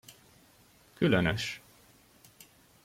Különös!